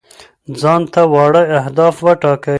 ځان ته واړه اهداف وټاکئ.